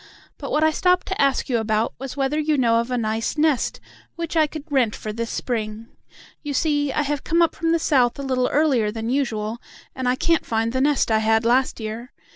But what I stopped to ask you about was whether you know of a nice nest which I could rent for this spring. You see, I have come up from the South a little earlier than usual, and I can't find the nest I had last year.